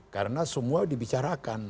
karena semua dibicarakan